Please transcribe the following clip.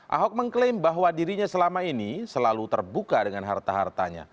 ahok mengklaim bahwa dirinya selama ini selalu terbuka dengan harta hartanya